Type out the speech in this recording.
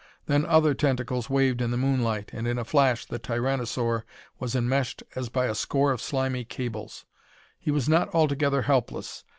Then other tentacles waved in the moonlight, and in a flash the tyranosaur was enmeshed as by a score of slimy cables. He was not altogether helpless.